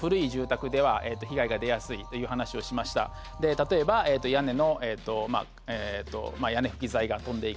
例えば屋根の屋根ふき材が飛んでいくとか。